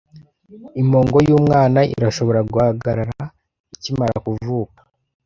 Impongo yumwana irashobora guhagarara ikimara kuvuka.